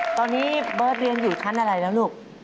ตอนนี้เบิร์ตเรียนอยู่ชั้นอะไรแล้วลูก